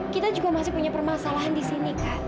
kita juga masih punya permasalahan di sini kan